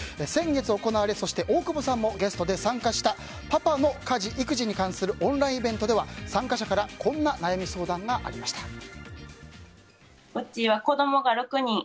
先月行われ、そして大久保さんもゲストで参加したパパの家事・育児に関するオンラインイベントでは参加者からこんな悩み相談がありました。